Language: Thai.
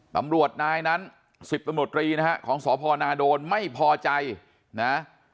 ตำรวจนายนั้น๑๐ตำรวจรีนะฮะของสพนาโดนไม่พอใจนะ